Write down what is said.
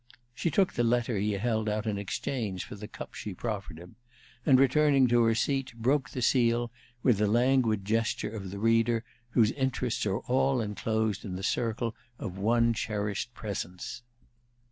She took the letter he held out in exchange for the cup she proffered him, and, returning to her seat, broke the seal with the languid gesture of the reader whose interests are all inclosed in the circle of one cherished presence.